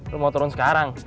lu mau turun sekarang